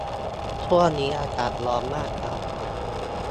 ช่วงนี้อากาศร้อนมากครับ